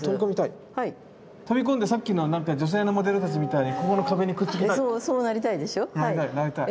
飛び込んでさっきの女性のモデルたちみたいにここの壁にくっつきたい。